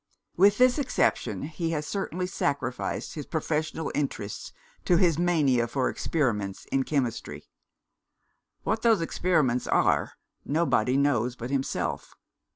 With this exception, he has certainly sacrificed his professional interests to his mania for experiments in chemistry. What those experiments are, nobody knows but himself.